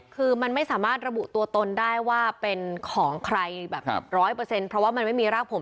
คือมันไม่สามารถระบุตัวตนได้ว่าเป็นของใครแบบร้อยเปอร์เซ็นต์เพราะว่ามันไม่มีรากผม